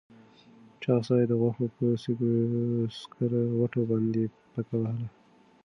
چاغ سړي د غوښو په سکروټو باندې پکه وهله.